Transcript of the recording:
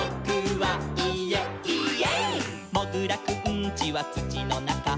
「もぐらくんちはつちのなか」「」